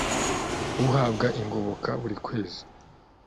ahabwa ingoboka burikwezi